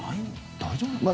大丈夫ですか？